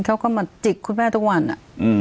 เขาก็มาจิกคุณแม่ทุกวันอะ